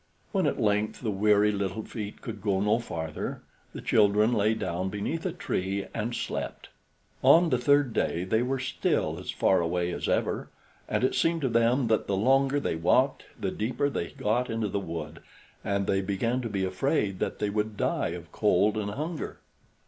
When at length the weary little feet could go no farther, the children lay down beneath a tree and slept. On the third day they were still as far away as ever, and it seemed to them that the longer they walked the deeper they got into the wood, and they began to be afraid that they would die of cold and hunger.